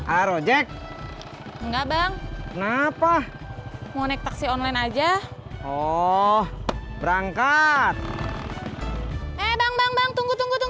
aero jack enggak bang kenapa mau naik taksi online aja oh berangkat eh bang bang tunggu tunggu tuh